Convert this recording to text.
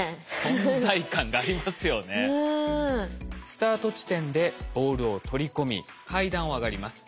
スタート地点でボールを取り込み階段を上がります。